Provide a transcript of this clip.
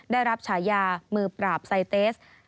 ได้รับฉายามือปราบไซเตส